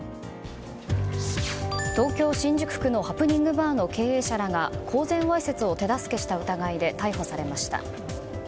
東京・新宿区のハプニングバーの経営者らが公然わいせつを手助けした疑いで逮捕されました。